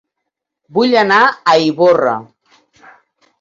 Vull anar a Ivorra